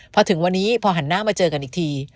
พอถึงวันนี้พอหันหน้ามาเจอกันอีกที